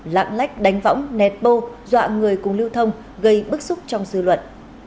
lạng lách đánh võng nẹt bô dọa người cùng lưu thông gây bức xúc trong dư luận